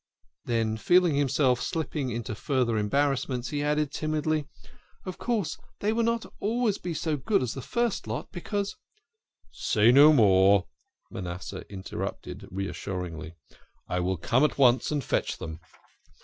Then, feeling himself slipping into future embarrassments, he added timidly, " Of course they will not always be so good as the first lot, because "" Say no more," Manasseh interrupted reassuringly, " I will come at once and fetch them."